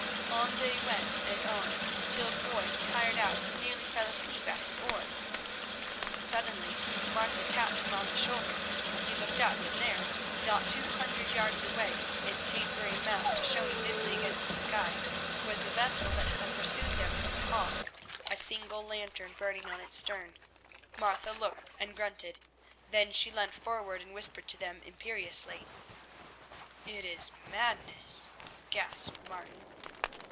On they went and on, till Foy, tired out, nearly fell asleep at his oar. Suddenly Martha tapped him on the shoulder. He looked up and there, not two hundred yards away, its tapering mast showing dimly against the sky, was the vessel that had pursued them from The Hague, a single lantern burning on its stern. Martha looked and grunted; then she leant forward and whispered to them imperiously. "It is madness," gasped Martin.